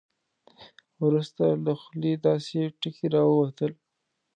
وروسته له خولې داسې ټکي راووتل.